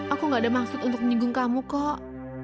aku gak ada maksud untuk menyinggung kamu kok